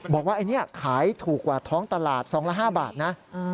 บอกว่าอันนี้ขายถูกกว่าท้องตลาดซองละ๕บาทนะ